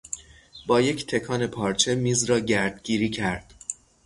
با یک تکان پارچه میز را گردگیری کرد.